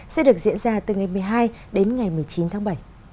sẽ được diễn ra từ ngày một mươi hai đến ngày một mươi chín tháng bảy